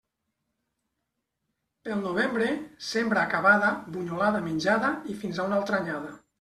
Pel novembre, sembra acabada, bunyolada menjada i fins a una altra anyada.